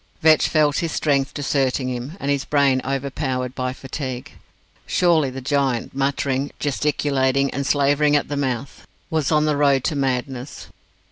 Vetch felt his strength deserting him, and his brain overpowered by fatigue. Surely the giant, muttering, gesticulating, and slavering at the mouth, was on the road to madness.